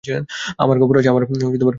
আমার খবর আছে।